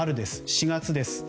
４月です。